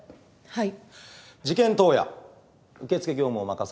はい。